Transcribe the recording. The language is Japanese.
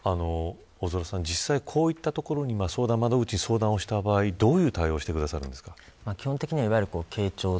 大空さん、実際こういった窓口に相談した場合どういう対応をしてくださるんですか。